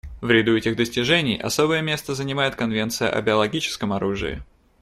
В ряду этих достижений особое место занимает Конвенция о биологическом оружии.